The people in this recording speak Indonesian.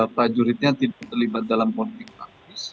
prajuritnya tidak terlibat dalam konflik praktis